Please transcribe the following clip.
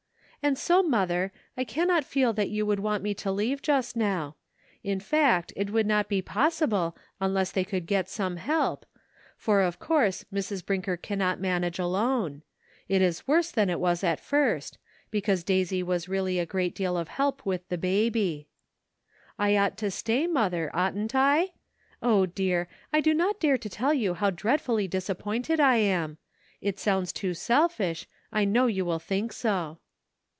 And so, mother, I can 158 DARK DAYS, not feel that you would want me to leave just now; in fact, it would not be possible unless they could get some help, for of course Mrs. Drinker cannot manage alone; it is worse than it was at first, because Daisy was really a great deal of help with the baby. "I ought to stay, mother, oughtn't I? 0, dear! I do not dare to tell you how dreadfully disappointed I am ! It sounds too selfish, I know you will think so."